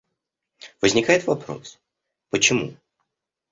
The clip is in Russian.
Возникает вопрос, почему?